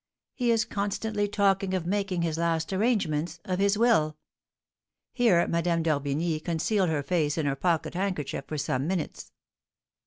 "He is constantly talking of making his last arrangements, of his will." Here Madame d'Orbigny concealed her face in her pocket handkerchief for some minutes.